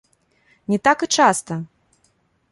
Не так і часта!